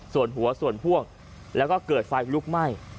ส่วนหัวส่วนพ่วงแล้วก็เกิดไฟลุกไหม้